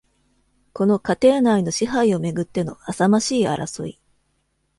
この家庭内の支配を巡っての、浅ましい争い。